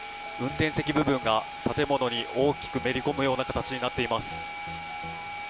運転席部分が建物に大きくめり込むような形になっています。